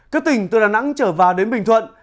các tỉnh từ đà nẵng trở vào đến bình thuận